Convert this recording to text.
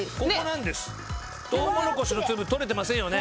トウモロコシの粒取れてませんよね。